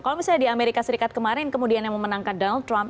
kalau misalnya di amerika serikat kemarin kemudian yang memenangkan donald trump